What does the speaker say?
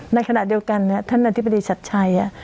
ในขณะเดียวกันท่านอธิบดีชัดชัย